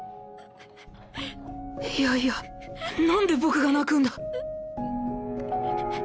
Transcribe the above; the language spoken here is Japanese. いやいやなんで僕が泣くんだ？